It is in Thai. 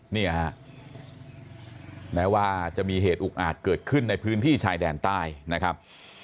เนี่ยฮะแม้ว่าจะมีเหตุอุกอาจเกิดขึ้นในพื้นที่ชายแดนใต้นะครับ